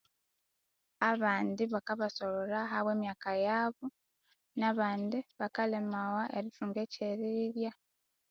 Abandi bakabasolholha habwa emyaka yabo na bandi bakalemawa erithunga ekyerirya